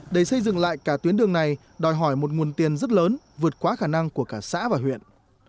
để xây dựng lại cả tuyến đường này đòi hỏi một nguồn tiền rất lớn vượt quá khả năng của cả xã và huyện